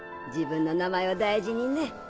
自分の名前を大事にね。